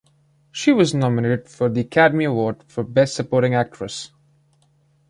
She was nominated for the Academy Award for Best Supporting Actress.